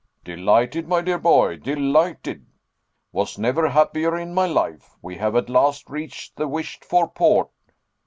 "Delighted, my dear boy, delighted. Was never happier in my life. We have at last reached the wished for port."